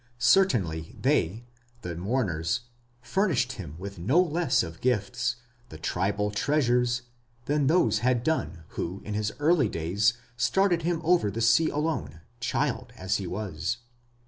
Certainly they (the mourners) furnished him with no less of gifts, of tribal treasures, than those had done who, in his early days, started him over the sea alone, child as he was.